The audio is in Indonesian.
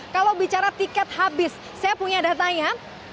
kalau bicara tiket habis saya punya datanya